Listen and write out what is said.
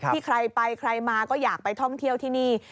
ใครไปใครมาก็อยากไปท่องเที่ยวที่นี่